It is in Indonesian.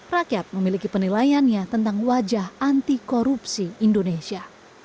rakyat memiliki penilaiannya tentang wajah antikorupsi indonesia